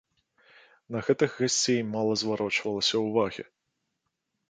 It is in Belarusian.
На гэтых гасцей мала зварочвалася ўвагі.